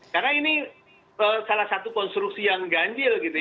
karena ini salah satu konstruksi yang ganjil